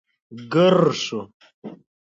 ګررر شو.